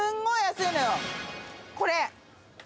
これ！